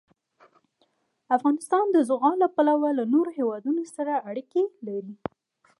افغانستان د زغال له پلوه له نورو هېوادونو سره اړیکې لري.